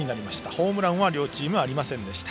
ホームランは両チームありませんでした。